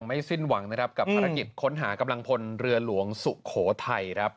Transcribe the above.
สิ้นหวังนะครับกับภารกิจค้นหากำลังพลเรือหลวงสุโขทัยครับ